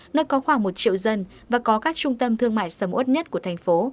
nơi có khoảng một triệu dân và có các trung tâm thương mại sầm ớt nhất của thành phố